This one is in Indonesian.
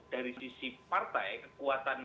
dari sisi partai kekuatan